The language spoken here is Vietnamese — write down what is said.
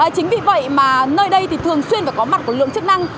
chính vì vậy mà nơi đây thì thường xuyên phải có mặt của lượng chức năng